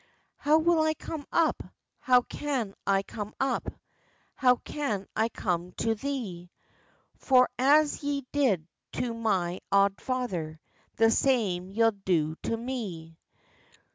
"How will I come up? How can I come up? How can I come to thee? For as ye did to my auld father, The same ye'll do to me."